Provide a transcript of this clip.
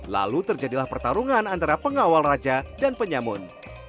lalu terjadilah pertarungan antara pengawal raja dan penyamun